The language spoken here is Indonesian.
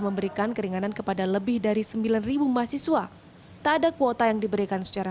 memberikan keringanan kepada lebih dari sembilan ribu mahasiswa tak ada kuota yang diberikan secara